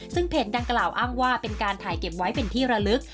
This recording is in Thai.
ซึ่งเพจดังกล่าวอ้างว่าเป็นการถ่ายเก็บไว้เป็นที่ระลึก